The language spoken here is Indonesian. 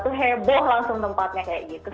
itu heboh langsung tempatnya kayak gitu sih